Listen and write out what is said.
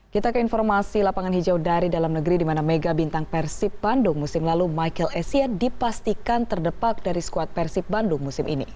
kita ke informasi lapangan hijau dari dalam negeri di mana mega bintang persib bandung musim lalu michael essia dipastikan terdepak dari skuad persib bandung musim ini